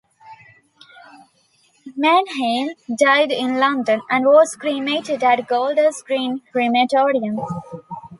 Mannheim died in London and was cremated at Golder's Green Crematorium.